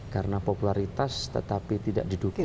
karena popularitas tetapi tidak didukung